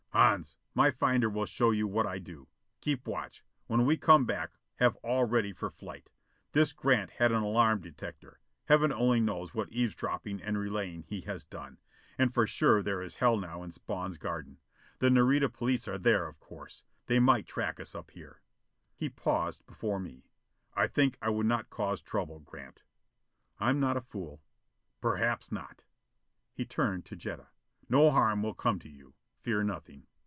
"Hans, my finder will show you what I do. Keep watch. When we come back, have all ready for flight. This Grant had an alarm detector. Heaven only knows what eavesdropping and relaying he has done. And for sure there is hell now in Spawn's garden. The Nareda police are there, of course. They might track us up here." He paused before me. "I think I would not cause trouble, Grant." "I'm not a fool." "Perhaps not." He turned to Jetta. "No harm will come to you. Fear nothing."